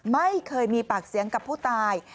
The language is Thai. ไม่เคยมีปากเสียงกับผู้ตาย